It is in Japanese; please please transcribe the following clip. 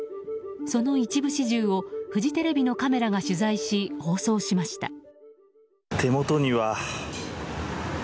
その一部始終をフジテレビのカメラが取材し放送しました。